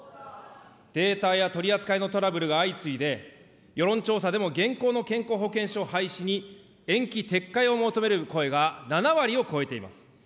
データや取り扱いのトラブルが相次いで、世論調査でも現行の健康保険証廃止に延期・撤回を求める声が７割を超えています。